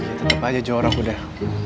ya tetap aja jorok udah